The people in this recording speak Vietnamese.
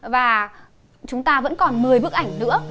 và chúng ta vẫn còn một mươi bức ảnh nữa